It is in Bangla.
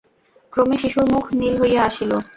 ক্রমে শিশুর মুখ নীল হইয়া আসিল।